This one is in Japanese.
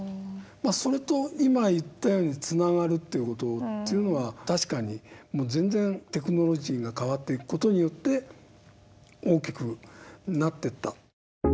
それと今言ったように「つながる」という事というのは確かにもう全然テクノロジーが変わっていく事によって大きくなっていった。